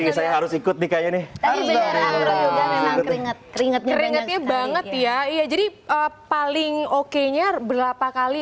ini saya harus ikut nih kayaknya nih keringat keringetnya banget ya iya jadi paling okenya berapa kali